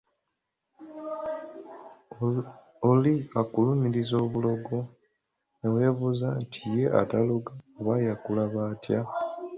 Oli akulumiriza obulogo ne weebuuza nti ye ataloga aba yakulaba atya.